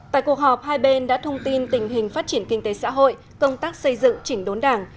tại cuộc họp hai bên đã thông tin tình hình phát triển kinh tế xã hội công tác xây dựng chỉnh đốn đảng